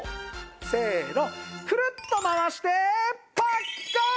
せーのくるっと回してパッカーン！